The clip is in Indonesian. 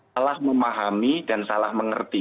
telah memahami dan salah mengerti